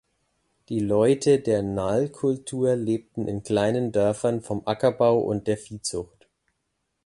Die Leute der Nal-Kultur lebten in kleinen Dörfern vom Ackerbau und der Viehzucht.